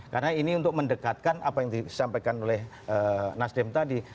karena ini untuk mendekatkan apa yang disampaikan oleh nasdem tadi